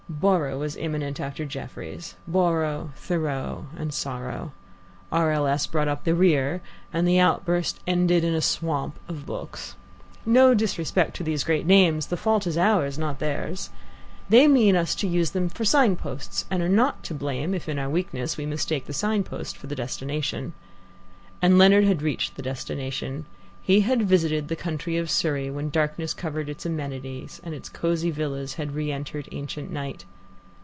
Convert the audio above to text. Borrow was imminent after Jefferies Borrow, Thoreau, and sorrow. R. L. S. brought up the rear, and the outburst ended in a swamp of books. No disrespect to these great names. The fault is ours, not theirs. They mean us to use them for sign posts, and are not to blame if, in our weakness, we mistake the sign post for the destination. And Leonard had reached the destination. He had visited the county of Surrey when darkness covered its amenities, and its cosy villas had re entered ancient night.